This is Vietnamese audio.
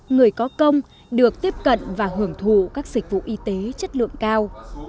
người có công được tiếp cận và hưởng thụ các dịch vụ y tế chất lượng cao